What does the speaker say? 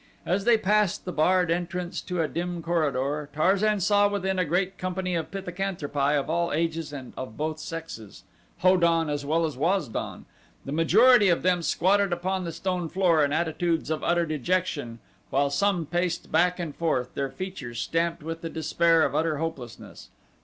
As they passed the barred entrance to a dim corridor, Tarzan saw within a great company of pithecanthropi of all ages and of both sexes, Ho don as well as Waz don, the majority of them squatted upon the stone floor in attitudes of utter dejection while some paced back and forth, their features stamped with the despair of utter hopelessness.